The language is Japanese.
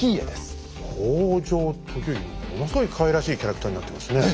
ものすごいかわいらしいキャラクターになってますね。